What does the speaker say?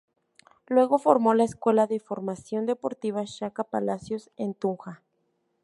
Luego formó la escuela de formación deportiva shaka palacios en Tunja